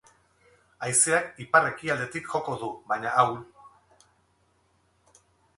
Haizeak ipar-ekialdetik joko du, baina ahul.